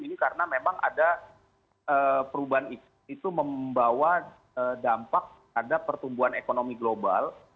ini karena memang ada perubahan iklim itu membawa dampak pada pertumbuhan ekonomi global